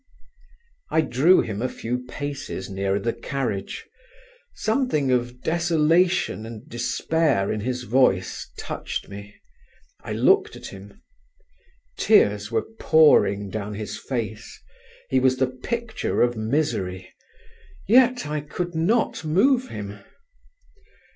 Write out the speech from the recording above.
I drew him a few paces nearer the carriage: something of desolation and despair in his voice touched me: I looked at him. Tears were pouring down his face; he was the picture of misery, yet I could not move him.